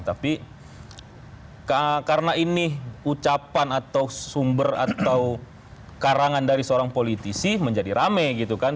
tapi karena ini ucapan atau sumber atau karangan dari seorang politisi menjadi rame gitu kan